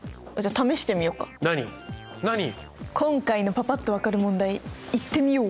今回のパパっと分かる問題いってみよう。